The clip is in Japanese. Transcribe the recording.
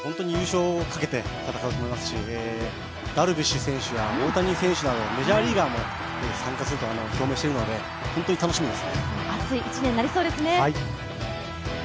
栗山監督率いる侍ジャパンが優勝をかけて戦うと思いますし、戦うと思いますし、ダルビッシュ選手や大谷選手などメジャーリーガーも参加すると表明しているので本当に楽しみです。